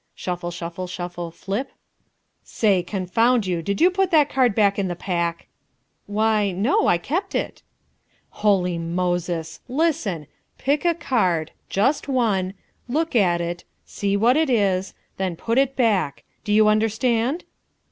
(Shuffle, shuffle, shuffle flip.) "Say, confound you, did you put that card back in the pack?" "Why, no. I kept it." "Holy Moses! Listen. Pick a card just one look at it see what it is then put it back do you understand?"